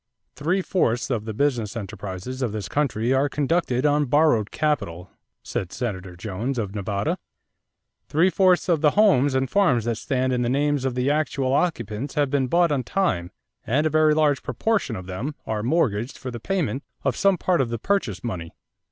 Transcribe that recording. "Three fourths of the business enterprises of this country are conducted on borrowed capital," said Senator Jones, of Nevada. "Three fourths of the homes and farms that stand in the names of the actual occupants have been bought on time and a very large proportion of them are mortgaged for the payment of some part of the purchase money.